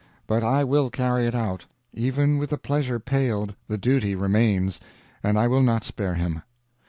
But I will carry it out. Even with the pleasure paled, the duty remains, and I will not spare him.